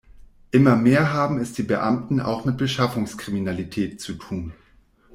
Immer mehr haben es die Beamten auch mit Beschaffungskriminalität zu tun.